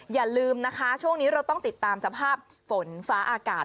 อย่าลืมนะคะช่วงนี้เราต้องติดตามสภาพฝนฟ้าอากาศ